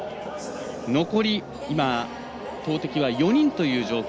残り今、投てきは４人という状況。